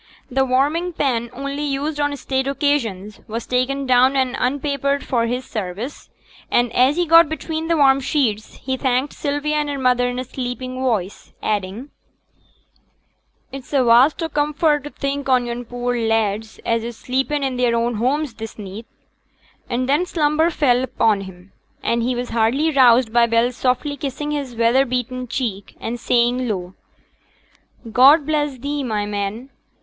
The warming pan, only used on state occasions, was taken down and unpapered for his service; and as he got between the warm sheets, he thanked Sylvia and her mother in a sleepy voice, adding, 'It's a vast o' comfort to think on yon poor lads as is sleepin' i' their own homes this neet,' and then slumber fell upon him, and he was hardly roused by Bell's softly kissing his weather beaten cheek, and saying low, 'God bless thee, my man!